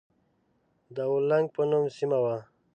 د اولنګ په نوم سيمه وه.